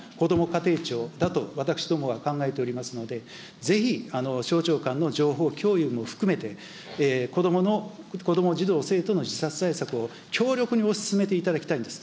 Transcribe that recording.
ここをなんとかするのが、こども家庭庁だと私どもは考えておりますので、ぜひ省庁間の情報共有も含めて、子どもの、子ども、児童・生徒の自殺対策を強力に推し進めていただきたいんです。